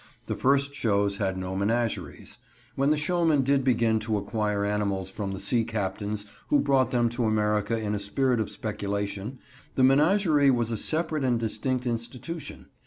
The first shows had no menageries. When the showmen did begin to acquire animals from the sea captains who brought them to America in a spirit of speculation, the menagerie was a separate and distinct institution.